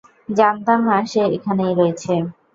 জানতাম না সে এখানেই রয়েছে।